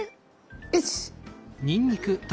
よし！